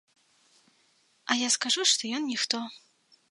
А я скажу, ён ніхто.